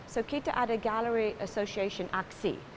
jadi kita ada galeri asosiasi aksi